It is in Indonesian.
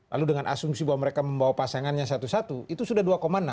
lalu dengan asumsi bahwa mereka membawa pasangannya satu satu itu sudah dua enam